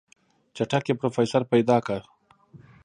چټک پې پروفيسر پيدا که.